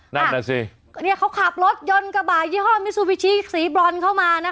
นั่นน่ะสิเนี่ยเขาขับรถยนต์กระบาดยี่ห้อมิซูบิชิสีบรอนเข้ามานะคะ